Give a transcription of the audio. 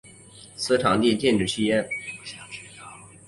此场地禁止吸烟。